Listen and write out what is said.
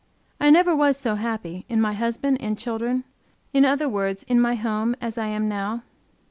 I never was so happy, in my husband and children, in other words in my home, as I am now.